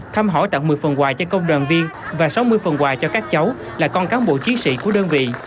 thăm hỏi tặng một mươi phần quà cho công đoàn viên và sáu mươi phần quà cho các cháu là con cán bộ chiến sĩ của đơn vị